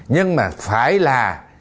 nhưng mà phải là